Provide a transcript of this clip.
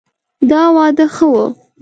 دا واده ښه ؤ